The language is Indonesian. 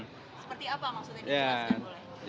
seperti apa maksudnya dikiraskan boleh